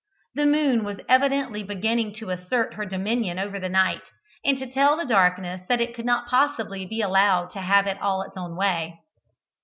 The moon was evidently beginning to assert her dominion over the night, and to tell the darkness that it could not possibly be allowed to have it all its own way.